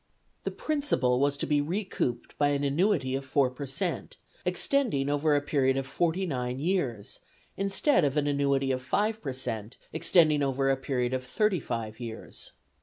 The principal was to be recouped by an annuity of 4 per cent., extending over a period of forty nine years, instead of an annuity of 5 per cent. extending over a period of thirty five years.